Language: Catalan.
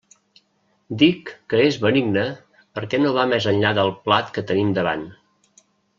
Dic que és benigna perquè no va més enllà del plat que tenim davant.